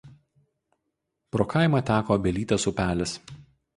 Pro kaimą teka Obelytės upelis.